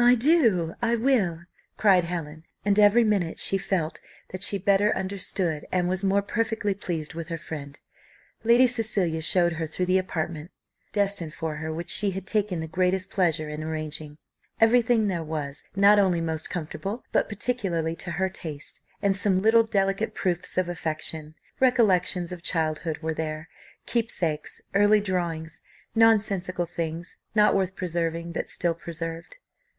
"I do, I will," cried Helen; and every minute she felt that she better understood and was more perfectly pleased with her friend. Lady Cecilia showed her through the apartment destined for her, which she had taken the greatest pleasure in arranging; everything there was not only most comfortable, but particularly to her taste; and some little delicate proofs of affection, recollections of childhood, were there; keepsakes, early drawings, nonsensical things, not worth preserving, but still preserved.